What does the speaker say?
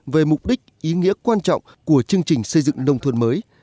về mục đích ý nghĩa quan trọng của chương trình xây dựng nông thôn mới